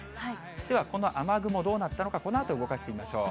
では、この雨雲どうなったのか、このあと動かしてみましょう。